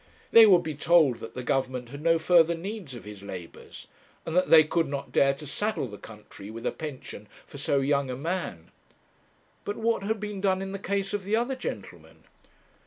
They would be told that the Government had no further need of his labours, and that they could not dare to saddle the country with a pension for so young a man. But what had been done in the case of the other gentleman?